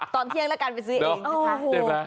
ตอนเที่ยงแล้วกันไปซื้อเองนะคะ